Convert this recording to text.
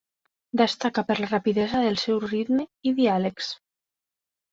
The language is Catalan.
Destaca per la rapidesa del seu ritme i diàlegs.